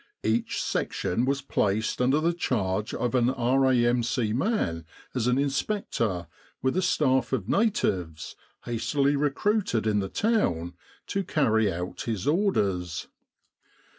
Each section was placed under the charge of an R.A.M.C. man as in spector, with a staff of natives, hastily recruited in the town, to carry out his orders.